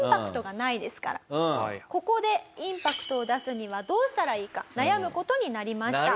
ここでインパクトを出すにはどうしたらいいか悩む事になりました。